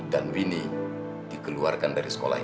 dan wini dikeluarkan dari sekolah ini